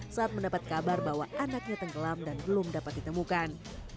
saat mendapat kabar bahwa anaknya tenggelam dan belum dapat ditemukan